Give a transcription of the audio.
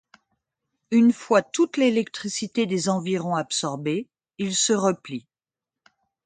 Une fois toute l’électricité des environs absorbée, il se replie.